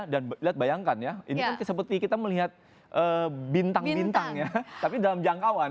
dan bayangkan ya ini kan seperti kita melihat bintang bintang ya tapi dalam jangkauan